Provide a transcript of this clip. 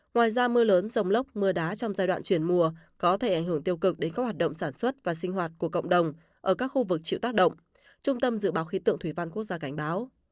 ngoài ra mưa lớn rồng lốc mưa đá trong giai đoạn chuyển mùa có thể ảnh hưởng tiêu cực đến các hoạt động sản xuất và sinh hoạt của cộng đồng ở các khu vực chịu tác động trung tâm dự báo khí tượng thủy văn quốc gia cảnh báo